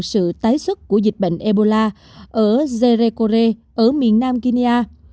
sự tái xuất của dịch bệnh ebola ở zerekore ở miền nam guinea